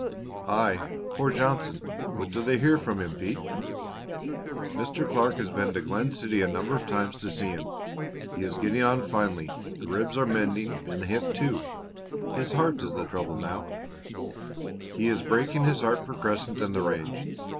"Aye, poor Johnson! What do they hear from him, Pete?" "Mr. Clark has been to Glen City a number of times to see him. He is getting on finely! The ribs are mending and the hip, too. His heart is the trouble now; he is breaking his heart for Crescent and the range.